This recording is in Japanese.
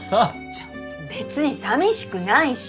ちょ別に寂しくないし。